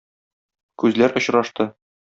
Күзләр очрашты.